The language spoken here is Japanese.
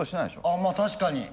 あまあ確かに。